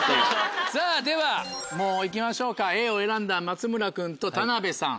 さぁではもう行きましょうかＡを選んだ松村君と田辺さん。